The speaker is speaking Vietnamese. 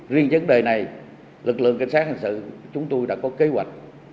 riêng vấn đề này lực lượng cảnh sát hành sự chúng tôi đã có kế hoạch